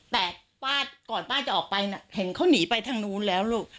แต่ป้าก่อนป้าจะออกไปเห็นเขาหนีไปทางนู้นแล้วลูก